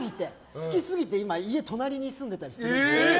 好きすぎて、今家、隣に住んでたりしてるの。